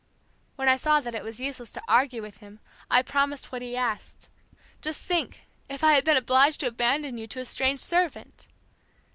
"When I saw that it was useless to argue with him I promised what he asked. Just think, if I had been obliged to abandon you to a strange servant!"